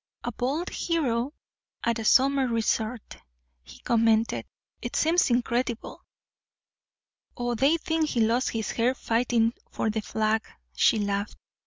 "A bald hero at a summer resort," he commented, "it seems incredible." "Oh, they think he lost his hair fighting for the flag," she laughed.